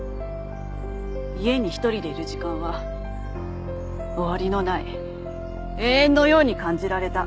家に一人でいる時間は終わりのない永遠のように感じられた。